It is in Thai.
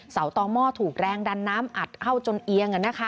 ต่อหม้อถูกแรงดันน้ำอัดเข้าจนเอียง